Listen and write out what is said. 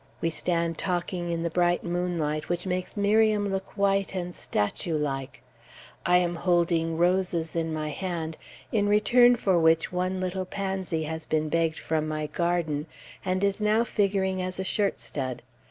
We stand talking in the bright moonlight which makes Miriam look white and statue like. I am holding roses in my hand, in return for which one little pansy has been begged from my garden, and is now figuring as a shirt stud.